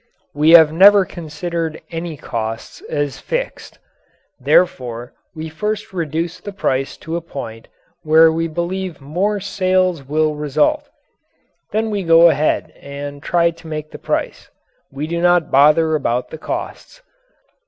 We have never considered any costs as fixed. Therefore we first reduce the price to a point where we believe more sales will result. Then we go ahead and try to make the price. We do not bother about the costs.